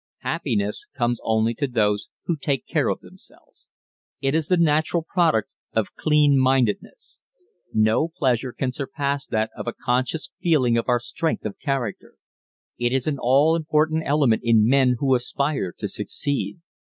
Happiness comes only to those who take care of themselves. It is the natural product of clean mindedness. No pleasure can surpass that of a conscious feeling of our strength of character. It is an all important element in men who aspire to succeed.